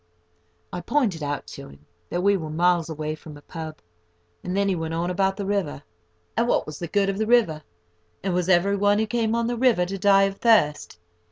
I pointed out to him that we were miles away from a pub.; and then he went on about the river, and what was the good of the river, and was everyone who came on the river to die of thirst?